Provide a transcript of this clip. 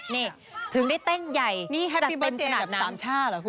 นี่ถึงได้เต้นใหญ่จะเต้นขนาดนั้นนี่แฮปปี้เบิร์ตเดยแบบสามชาติเหรอคุณ